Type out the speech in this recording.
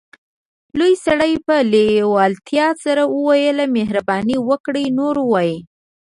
لوی سړي په لیوالتیا سره وویل مهرباني وکړئ نور ووایئ